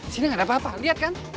sini nggak ada apa apa liat kan